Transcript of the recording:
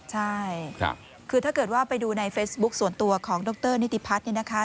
ใช่คือถ้าเกิดว่าไปดูในเฟซบุ๊คส่วนตัวของดรนิติพัฒน์เนี่ยนะคะ